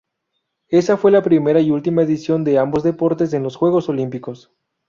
Esa fue la primera y última edición de ambos deportes en los Juegos Olímpicos.